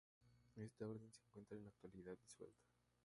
Esta orden se encuentra en la actualidad disuelta.